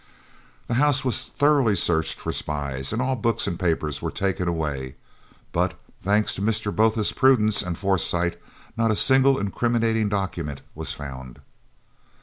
The house was thoroughly searched for spies and all books and papers were taken away, but, thanks to Mr. Botha's prudence and foresight, not a single incriminating document was found.